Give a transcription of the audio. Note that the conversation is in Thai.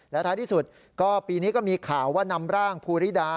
และท้ายที่สุดก็ปีนี้ก็มีข่าวว่านำร่างภูริดา